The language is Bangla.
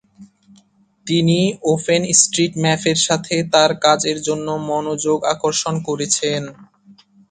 তিনি ওপেনস্ট্রিটম্যাপের সাথে তার কাজের জন্য মনোযোগ আকর্ষণ করেছেন।